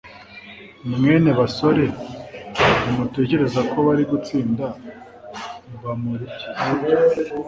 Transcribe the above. Mwebwe basore ntimutekereza ko bari gutsinda Bamoriki sibyo